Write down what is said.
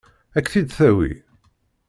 Ad k-t-id-tawi?